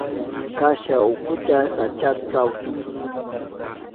Kasha ukucha sachapi kawsan.